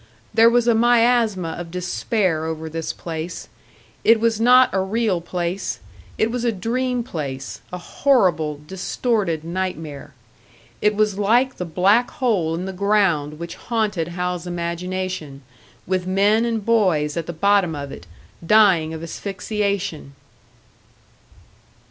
There was a miasma of despair over this place; it was not a real place it was a dream place a horrible, distorted nightmare! It was like the black hole in the ground which haunted Hal's imagination, with men and boys at the bottom of it, dying of asphyxiation!